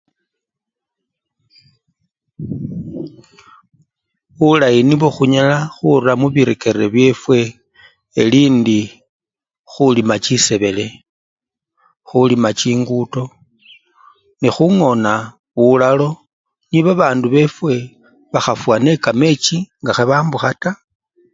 Bulayi nibwo khunyala khura mubirekere byefwe, elindi khulima chisebele, khulima chingudo nekhungona bualalo nebabandu befwe bakhafwa nekamechi nga khebambukha taa.